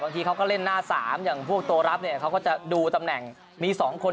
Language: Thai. ทีเขาก็เล่นหน้า๓อย่างพวกตัวรับเนี่ยเขาก็จะดูตำแหน่งมี๒คน